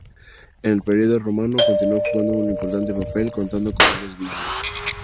En el período romano continuó jugando un importante papel, contando con varias "villas".